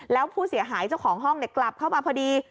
แล้วผู้เสียหายเจ้าของห้องกลับเข้ามาพอดี